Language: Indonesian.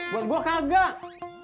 buat gua kagak